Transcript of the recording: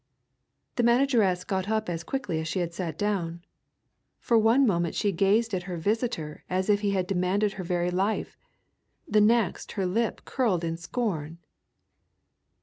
The manageress got up as quickly as she had sat down. For one moment she gazed at her visitor as if he had demanded her very life the next her lip curled in scorn.